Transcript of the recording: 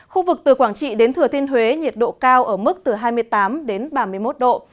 khu vực từ quảng trị đến thừa thiên huế nhiệt độ cao ở mức từ hai mươi tám đến ba mươi một độ